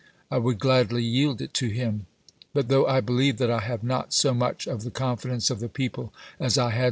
I would gladly yield it to him. But, though I believe that I have not so much of the confidence of the people as I had some 160 ABKAHAM LINCOLN CHAP.